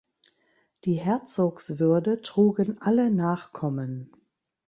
Die Herzogswürde trugen alle Nachkommen.